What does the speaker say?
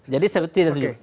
jadi saya tidak